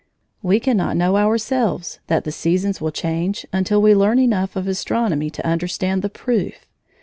We cannot know ourselves that the seasons will change until we learn enough of astronomy to understand the proof.